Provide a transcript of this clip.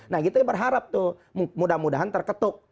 nah gitu ya berharap tuh mudah mudahan terketuk